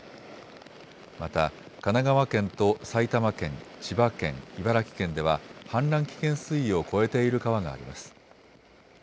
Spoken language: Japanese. また神奈川県と埼玉県、千葉県、茨城県では氾濫危険水位を超えている川があります。